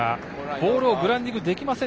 ボールをグラウンディングできません。